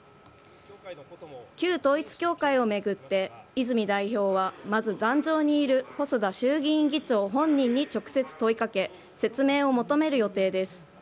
旧統一教会を巡って泉代表はまず、壇上にいる細田衆議院議長本人に直接問い掛け説明を求める予定です。